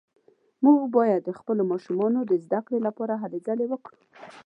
موږ باید د خپلو ماشومانو د زده کړې لپاره هلې ځلې وکړو